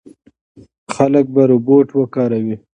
خلک به روباټ وکاروي.